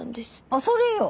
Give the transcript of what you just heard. あっそれよ。